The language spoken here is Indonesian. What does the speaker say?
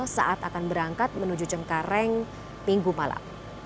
saat akan berangkat menuju cengkareng minggu malam